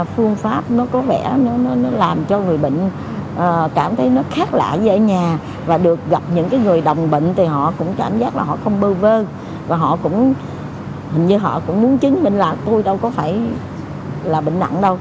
phương pháp nó có vẻ nó làm cho người bệnh cảm thấy nó khác lại ở nhà và được gặp những người đồng bệnh thì họ cũng cảm giác là họ không bơ vơ và họ cũng hình như họ cũng muốn chứng minh là tôi đâu có phải là bệnh nặng đâu